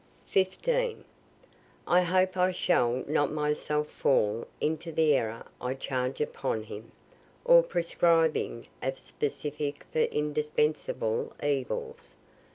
_ I hope I shall not myself fall into the error I charge upon him, of prescribing a specific for indispensable evils.